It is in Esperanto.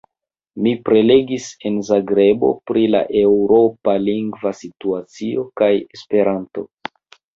Mi prelegis en Zagrebo pri la Eŭropa lingva situacio kaj Esperanto.